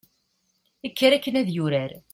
kker akken ad yurar